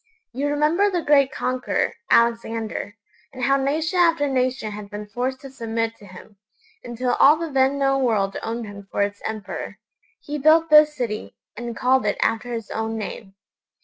You remember the great conqueror, Alexander, and how nation after nation had been forced to submit to him, until all the then known world owned him for its emperor? He built this city, and called it after his own name.